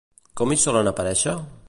Com hi solen aparèixer?